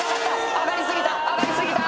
上がり過ぎた！